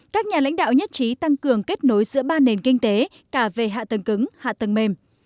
các nhà lãnh đạo nhất trí tăng cường kết nối giữa ba nền kinh tế cả về hạ tầng cứng hạ tầng mềm